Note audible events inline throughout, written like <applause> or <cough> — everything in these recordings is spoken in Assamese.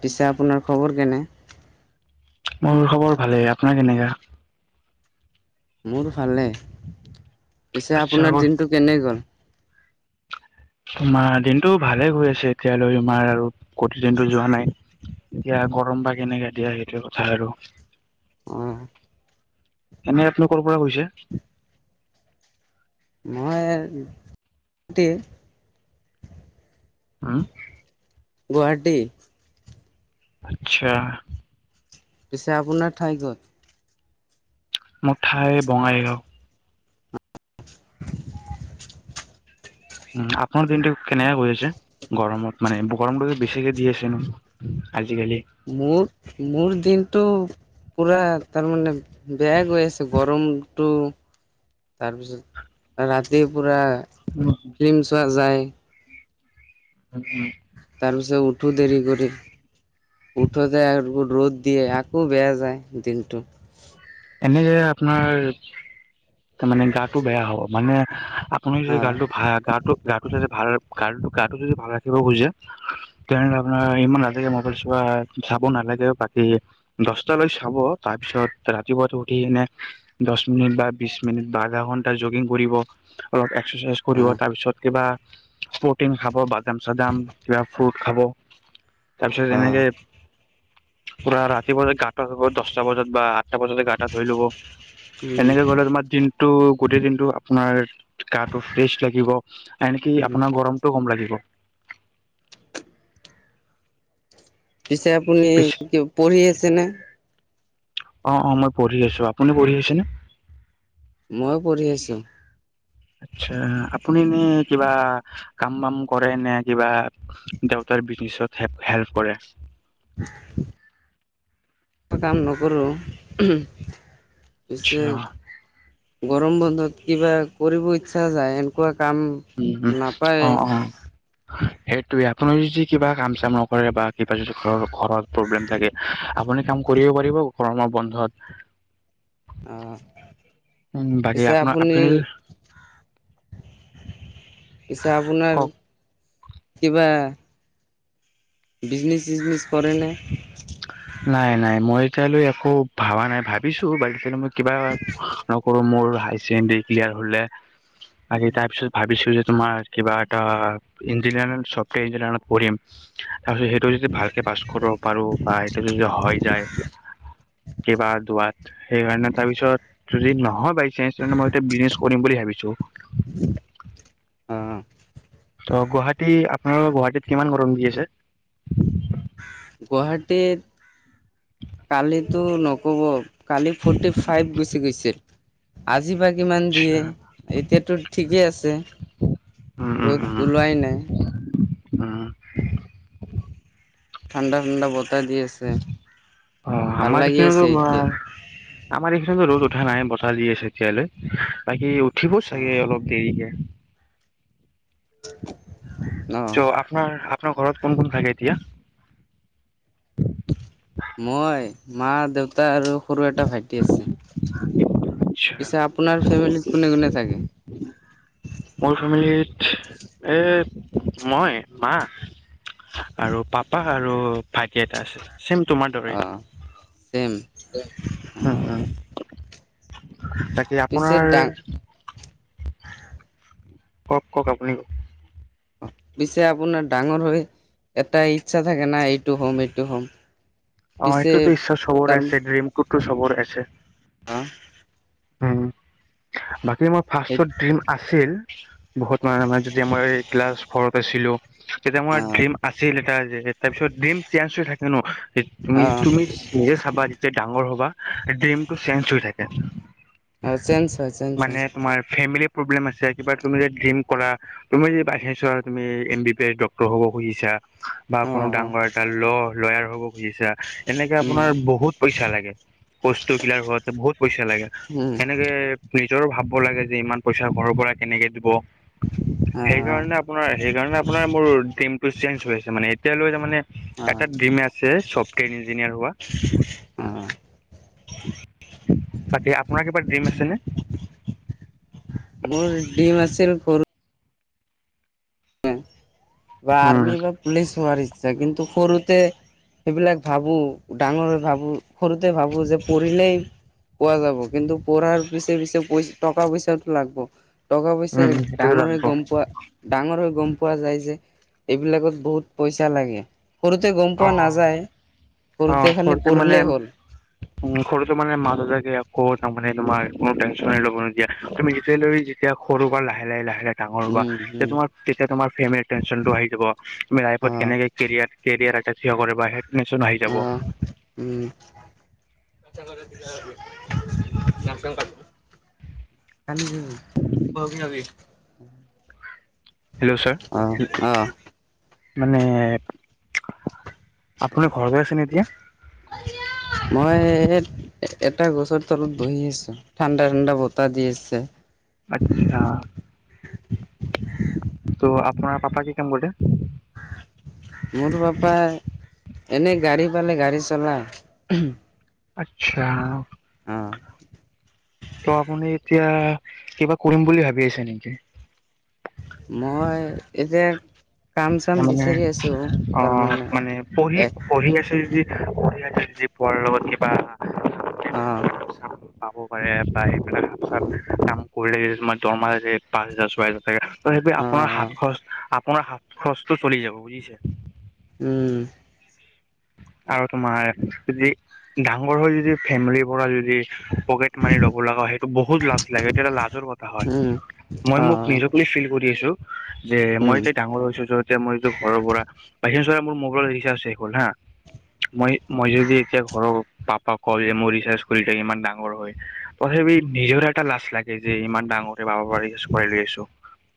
পিছে আপোনাৰ খবৰ কেনে? মোৰ খবৰ ভালেই। আপোনাৰ কেনেকা? মোৰো ভালে পিছে আচ্ছা আপোনাৰ দিনটো কেনে গ'ল তোমাৰ দিনটো ভালে গৈ আছে এতিয়ালৈ তোমাৰ আৰু কঠি যেনটো যোৱা নাই। এতিয়া গৰম বা কেনেকে দিয়া সেইটো কথা আৰু। অহ। এনে আপুনি কৰ পৰা কৈছে? মই টি উম গুৱাহাটী আচ্ছা। পিছে আপোনাৰ ঠাই কত। মুঠাই বঙাইগাঁও। উম আপোনাৰ দিনটো কেনেকা গৈ আছে গৰমত মানে গৰমটো বেছিকে দি আছে ন আজি। মোৰ মোৰ দিনটো পুৰা তাৰমানে। বেয়া গৈ আছে গৰমটো তাৰপিছত ৰাতি পূৰা। ফিল্ম চোৱা যায়। তাৰপিছত উঠো দেৰি কৰি উঠোতে ৰ'দ দিয়ে আকৌ বেয়া যায় দিনটো। এনে যে আপোনাৰ তাৰ মানে গাটো বেয়া হ'ব মানে। আপুনি যদি অ', গাটো ভা গাটো গাটো যদি ভাল গাটো গাটো যদি ভাল ৰাখিব খুজে তেনেহলে আপোনাৰ ইমান ৰাতিলৈকে মোবাইল চোৱা চাব নালাগে। বাকী দহটালৈ চাব তাৰপিছত ৰাতি ত উঠি এনে দহ মিনিট বা বিছ মিনিট বা আধা ঘন্টা জগিং কৰিব অলপ এক্সাৰচাইজ কৰিব অ', তাৰপিছত কিবা প্ৰটিন খাব বাদাম চাদাম কিবা ফ্ৰুট খাব। তাৰ পিছত অ', এনেকে, পুৰা ৰাতি বজাত গাঁত হ'ব দচটা বজাত বা তাৰপা যদি গা-টা ধুই লব। এনেকে উম, গলে তোমাৰ দিনটো, গোটেই দিনটো আপোনাৰ গাটো ফ্ৰেচ লাগিব এনে কি উম। আপোনাৰ গৰমটো কম লাগিব। পিছে আপুনি, পিছ ক পঢ়ি আছেনে? অ' অ', মই পঢ়ি আছো। আপুনি পঢ়ি আছেনে? ময়ো পঢ়ি আছো। আচ্ছা আপুনি নে কিবা কাম-বাম কৰে নে কিবা, দেউতাৰ বিজনেছত হেল্প কৰে? <unintelligible> কাম নকৰোঁ। আচ্ছা পিছে-‌ গৰম বন্ধত কিবা কৰিব ইচ্ছা যায় এনেকুৱা কাম উম, উম। অ নাপায়ে। অ সেইটোৱে আপুনি যদি কিবা কাম-চাম নকৰে বা কিবা যদি ঘৰ-ঘৰত প্ৰব্লেম থাকে, আপুনি কাম কৰিব পাৰিব গৰমৰ বন্ধত। অ'। উম বাকী পিছে আপোনাৰ আপুনি পিছে আপোনাৰ, কওক কিবা বিজনেচ-চিজনেচ কৰে নে? নাই নাই, মই এতিয়ালৈ একো ভাবা নাই ভাবিছো <unintelligible> মই কিবা নকৰো মোৰ হাই ছেকেণ্ডৰী ক্লিয়াৰ হলে, বাকি তাৰ পিছত ভাবিছো যে তোমাৰ কিবা এটা ইঞ্জিনিয়া, ৰংফ্টেৰ ইঞ্জিনিয়াৰিত পঢ়িম। তাৰপিছত সেইটো যদি ভালকে পাছ কৰিব পাৰো বা এটো যদি হয় যায়, কেইবা দুৱাৰ সেইকাৰণে তাৰ পিছত যদি নহয় বাই চানস, ত' তেতিয়া মই এ বিজনেছ কৰিম বুলি ভাবিছো। উম। ত' গুৱাহাটী, আপোনালোকৰ গুৱাহাটীত কিমান গৰম দি আছে? গুৱাহাটীত কালিতো নকব, কালি ফৰ্টি ফাইভ গুচি গৈছিল। আজি বা কিমান আচ্ছা দিয়ে? এতিয়াতো ঠিকেই আছে। উম উম ৰ'দ উম উলাই নাই। উম। ঠাণ্ডা ঠাণ্ডা বতাহ দি আছে। অ' ভাল আমাৰ লাগি এইখিনতো আছে এতিয়া আমাৰ এইখিনতো ৰ'দ উঠা নাই বতাহ দি আছে। লে বাকী উঠিব চাগে অলপ দেৰিকে। অ অ জ আপোনাৰ-আপোনাৰ ঘৰত কোন কোন থাকে এতিয়া? মই, মা, দেউতা আৰু সৰু এটা ভাইটি আছে। আচ্ছা পিছে আপোনাৰ ফেমিলিত কোনে কোনে থাকে? মোৰ ফেমিলত এ মই, মা আৰু পাপা আৰু ভাইটি এটা আছে, ছেম তোমাৰ দৰে। অ ছেম উম, উম। তাকে পিছে আপোনাৰ ডাঙ কওক কওক, আপুনি কওক। পিছে আপোনাৰ ডাঙৰ হৈ এটা ইচ্ছা থাকে না এইটো হম এইটো হম। অ', পিছে এইটোতো ইচ্ছা চবৰে তাৰ আছে, ড্ৰিমটোতো চবৰ আছে। অ'। উম, বাকী মোৰ সেই ফাৰ্ষ্টত ড্ৰীম আছিল। বহুত মানুহ মানে যেতিয়া মই ক্লাছ ফৰত পাইছিলো, তেতিয়া অ মই ড্ৰিম আছিল এটা যে তাৰপিছত ড্ৰীমচ চেঞ্জ হৈ থাকে ন, তে অ তুমি-তুমি নিজে চাবা যে ডাঙৰ হবা ড্ৰিমটো চেঞ্জ হৈ থাকে। অ চেঞ্জ হয় চেঞ্জ মানে হয় তোমাৰ ফেমিলি প্ৰব্লেম আছে কিবা তুমি যে ড্ৰিম কৰা, তুমি যদি <unintelligible> হোৱা তুমি এম বি পি এ ডক্টৰ হ'ব খুজিছা বা অ কোনো অ ডাঙৰ এটা ল লয়াৰ হ'ব খুজিছা এনেকে উম আপোনাৰ বহুত পইচা লাগে।। কষ্ট কিলাৰ হোৱা আছে বহুত পইচা লাগে। উম এনেকে নিজৰো ভাবিব লাগে যে ইমান পইচা ঘৰৰ পৰা কেনেকে দিব। অ সেইকাৰণে আপোনাৰ সেইকাৰণে আপোনাৰ। বোৰ ড্ৰীম টো চেঞ্জ হৈ মানে এতিয়ালৈ তামানে অ অ এটা ডিম আছে ছফ্টৱেৰ ইঞ্জিনিয়াৰ হোৱা।। উম। <unintelligible> এই আপোনাৰ কিবা ড্ৰিম আছেনে? মোৰ ডিম আছিল সৰু। বা উম আৰ্মি বা পুলিচ হোৱাৰ ইচ্ছা কিন্তু সৰুতে। সেইবিলাক ভাবো ডাঙৰ হৈ ভাবো, সৰুতে ভাবো যে পঢ়িলেই। পোৱা যাব কিন্তু পঢ়াৰ পিছে পিছে পই টকা পইচাটো লাগব। টকা পইচা উম সেইটোতো ডাঙৰ হৈ লাগব গম পোৱা ডাঙৰ হৈ গম পোৱা যায় যে। এইবিলাকত বহুত পইচা লাগে। সৰুতে গম অ পোৱা নাযায়। অ' খালি সৰুতে মানে পঢ়িলেই হ'ল উম সৰুতে মানে মা দেউতাই। আকৌ তাৰমানে তোমাৰ কোনো তেনচন হৈ যাব নিদিয়া। তুমি যেতিয়া লৈ যেতিয়া সৰু পৰা লাহে লাহে লাহে লাহে। ডাঙৰ হব। উম উম তোমাৰ তেতিয়া তোমাৰ ফেম এক্স টেনচনটো আহি যাব। তুমি অ লাইফত কেনেকে কেৰিয়াত। কেৰিয়াৰ এটা থিয় কৰিব আহে হেডমিচন আহি অ যাব। <unintelligible> হয় নেকি? Hobby hobby. Hello sir. অ অ মানে? আপুনি ঘৰ গৈ আছেনে এতিয়া? এ, এটা গছৰ তলত বহি আছো। ঠাণ্ডা ঠাণ্ডা বতাহ দি আছে। আচ্ছা। ত, আপোনাৰ পাপা কি কাম কৰে। মোৰ পাপাই এনে গাড়ী পালে গাড়ী চলা। আচ্ছা। অঁ। ত' আপুনি এতিয়া কিবা কৰিম বুলি ভাবি আছা নেকি? মই এতিয়া কাম চাম তামানে বিচাৰি আছো অ তাৰমানে মানে পঢ়ি এ পঢ়ি আছে যদি পঢ়ি আছে পাৰ লগত কিবা <unintelligible> আহ। কাম পাব পাৰে। আহ। কৰি থ দৰমাহ পাঁচ হাজাৰ ছোৱা হাজাৰ থাকে ত সেইব অ আপোনাৰ সাত খ আপোনাৰাত <unintelligible> খৰচটো চলি যাব বুজিছে। উম। আৰু তোমাৰ যদি ডাঙৰ হৈ যদি ফেমিলিৰ পৰা যদি। পকেট মানি লব লগা হয় সেইটো বহুত লাজ লাগে সেটো এটা লাজৰ কথা উম হয় মই অ মোক নিজক ফিল কৰি <unintelligible> দি আছো যে উম মই তাই ডাঙৰ হৈছো যহতে মই এইটো ঘৰৰ পৰা বাহিিৰ চৰা <unintelligible> মোৰ মোগল ৰিচাৰ হৈ হ'ল হা। <inaudible> মই মই যদি এতিয়া ঘৰৰ পাপাক কও যে মোৰ ৰিচাৰ্চ কৰি থাক ইমান ডাঙৰ হয় তথাপি <unintelligible> নিজৰ এটা লাজ লাগে যে ইমান ডাঙৰে পাব পাৰিছো লৈ আছো <unintelligible>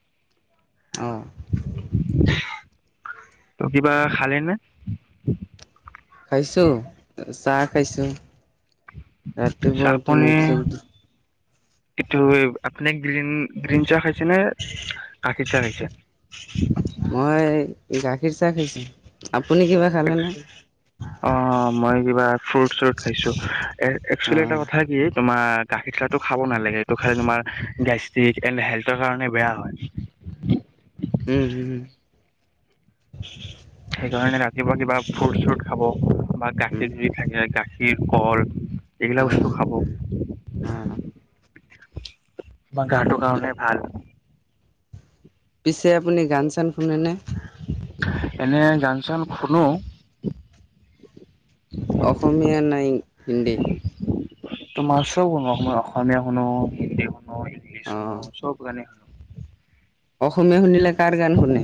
অঁ। ত, কিবা খালে নে? খাইছো চাহ খাইছো ৰাতিপুৱা উঠি আপুনি মুখ চুখ ধু এইটো আপুনি গ্ৰীণ গ্ৰীণ চাহ খাই চেনে গাখীৰ চাহ খাইছে এই গাখীৰ চাহ খাইছো আপুনি কিবা খালে নে অ মই কিবা ফ্ৰুট চ্ৰুট খাইছো এ অ একচুৱেলি এটা কথা কি তোমাৰ গাখীৰ চাহটো খাব নালাগে এইটো খালে তোমাৰ গেষ্টিক এন্দ হেল্থৰ কাৰণে বেয়া হয় উম হোম সেইকাৰণে ৰাতিপুৱা কিবা ফ্ৰুট চ্ৰুট খাব বা উম গাখীৰ যদি থাকে গাখীৰ গাখীৰ কল এইবিলাক অ বস্তু খাব অ' তোমাৰ গাটো কাৰণে ভাল পিছে আপুনি গান চান শুনেনে এনে গান চান শুনো অসমীয়া নাই হিন্দী তোমাৰ চব শুনো তোমাৰ অসমীয়া শুনো হিন্দী শুনো ইংলিছ অ' শুনো চব গানে শুনো অসমীয়া শুনিলে কাৰ গান শুনে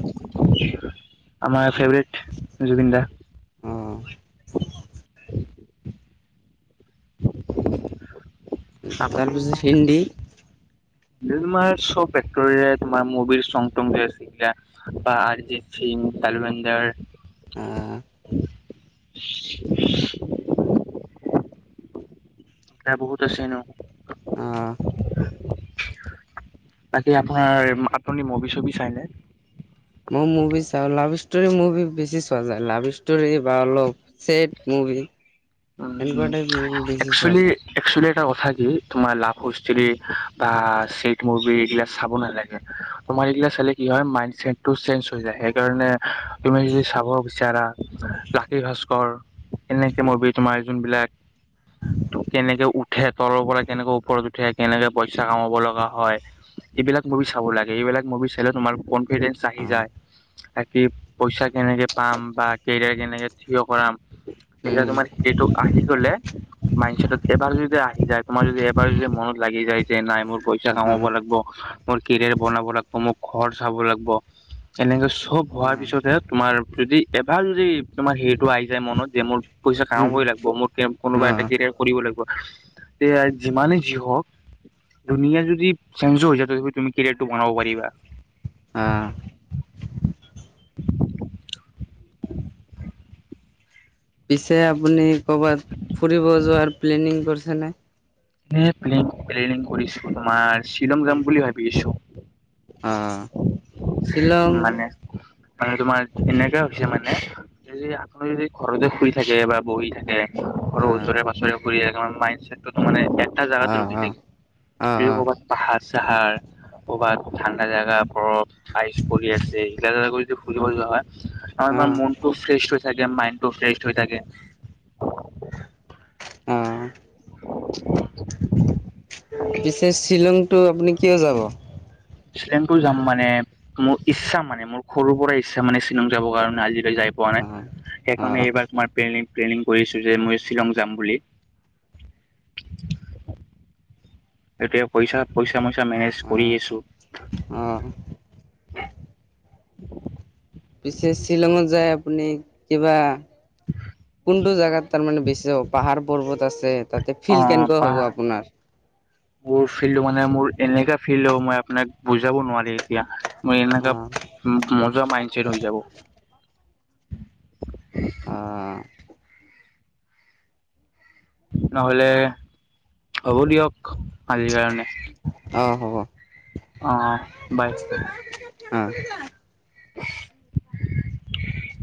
আমাৰ ফেভৰেট জুবিন দা অ' তাৰপিছত হিন্দি এ তোমাৰ চব একতৰে তোমাৰ মুভিৰ চং বা আৰ্জিত চিং তালবেন্দাৰ অহ <unintelligible> এয়া বহুত আছে এনেও অহ তাকে আপোনাৰ আপুনি মভি চভি চাইনে। মই মুভি চাওঁ লাভ ষ্টৰি মুভি বেছি চোৱা যায় লাভ ষ্টৰি বা অলপ বা ছেদ। কুই। উম উম একচুলি যায়। একচুলি। এটা কথা কি তোমাৰ লাভুষ্টৰি বা চেট মুভি এইবিলাক চাব নালাগে। মই এইগিলাক চালে কি হয় মাইনচেডটো চেঞ্জ হৈ যায় সেইকাৰণে তুমি যদি চাব বিচাৰা মই। লাকি ভাস্কৰ এনেকে মুভি তোমাৰ যোনবিলাক। কেনেকে উঠে তলৰ পৰা কেনেকে ওপৰত উঠে কেনেকে পইচা কামাব লগা হয়। এইবিলাক মুভি চাব লাগে এইবিলাক মুভি চাইে তোমাৰ ক ৰেঞ্চ আহি অ' যায় বাকি পইচা কেনেকৈ পাম বা কেৰিয়াৰ কেনেকৈ থিয় কৰাম। উম। যিটো আহি গলে মাইনচেডট। এবাৰ যদি আহি যায় তোমাৰ যদি এবাৰ যদি মনত লাগি যায় যে নাই। মোৰ পইচা অ' কামাব লাগিব মোৰ কেৰিয়াৰ বনাব লাগিব মোক। ঘৰ চাব লাগিব এনেকে চব অ' হোৱাৰ পিছতহে তোমাৰ। যদি এবাৰ যদি তোমাৰ হেইটো আহি যায় মনত যে মোৰ। উম কেমাবই লাগিব মোৰ কে কোনোবা এটা অ' কেৰিয়াৰ কৰিব লাগিব এয়া যিমানে যি হক। ধুনীয়া যদি চেঞ্জ হৈ যায় তথাপ তুমি কেৰিয়াৰটো বনাব পাৰিবা। অ' পিছে আপুনি কৰবাত ফুৰিব যোৱাৰ প্লেনিং কৰিছে নে। এ পেলেইং পেলেনিং কৰিছো তোমাৰ শ্বিলং যাম বুলি ভাবি আছো। অ। শ্বিলং মানে। মানে তোমাৰ এনেকুৱা হৈছে মানে যদি আপুনি যদি ঘৰতে শুই থাকে বা বহি থাকে। ঘৰৰ অ' ওচৰে পাছৰে ঘূৰি এ মাইন্ডছেটটোত মানে। এটা জাগাত অ' ৰখি অ' থাকে অ' বি অ' ক'ৰবাত পাহাৰ, চাহাৰ ক'বাত ঠাণ্ডা জাগা বৰফ আগে। পহি আছে যদি ফৰিব যাবা হয় আমাৰ অ', মনটো ফ্ৰে তাকে মাইণ্ডটো ফ্ৰেছ হৈ থাকে উম পিছে শ্বিলংটো আপুনি কিয় যাব? শ্বিলংটো যাম মানে মোৰ ইচ্ছা মানে মোৰ সৰুৰ পৰা ইচ্ছা মানে শ্বিলং যাবৰ কাৰণে আজি যাই পোৱা নাই অ', এইকাৰণে অ', এইবাৰ তোমাৰ পেলি পেলেনিং কৰিছো যে মই শ্বিলং যাম বুলি এতিয়া পইচা পইচা <inaudible> <unintelligible> অ', অ', পিছে শ্বিলঙত যায় আপুনি কিবা কোনটো জোগাত তাৰমানে বেছি পাহাৰ পৰ্বত আছে তাতে অ ফিল কেনেকুৱা পাহ হ'ব আপোনাৰ? মোৰ ফিল্ডটো মানে মোৰ এনেকা ফিল্ড হ'ব মই আপোনাক বুজাব নোৱাৰি এতিয়া ম এনেকা অ', উম মজা মাইণ্ড ছেট হৈ যাব। অঅ নহলে হ'ব দিয়ক অঅ অ', হ'ব বাই। অ'।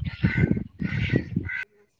<unintelligible>